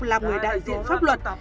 là người đại diện pháp luật